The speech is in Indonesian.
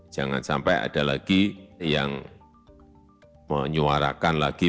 jangan sampai ada lagi yang menyuarakan lagi